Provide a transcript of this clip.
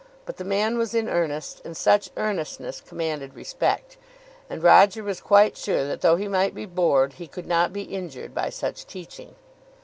But the man was in earnest, and such earnestness commanded respect. And Roger was quite sure that though he might be bored, he could not be injured by such teaching.